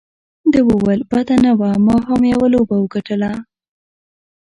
ده وویل: بده نه وه، ما هم یوه لوبه وګټله.